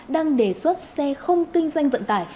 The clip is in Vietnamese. đang đề xuất xe không kinh doanh vận tải